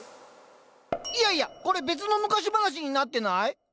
いやいやこれ別の昔話になってない？